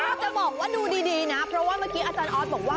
จะบอกว่าดูดีนะมักที่อาจารย์ออธบอกว่า